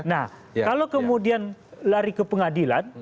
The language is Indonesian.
nah kalau kemudian lari ke pengadilan